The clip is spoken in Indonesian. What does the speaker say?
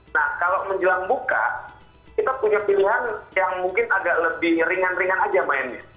nah kalau menjelang buka kita punya pilihan yang mungkin agak lebih ringan ringan aja mainnya